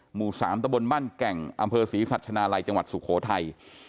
หมู่๓ตะบนบ้านแก่งอำเภอศรีสัชนาลัยจังหวัดสุโขทัย